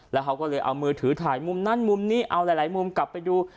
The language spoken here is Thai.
แล้วเขาก็เลยเอามือถือถ่ายมุมนั้นมุมนี้เอาหลายมุมกลับไปดู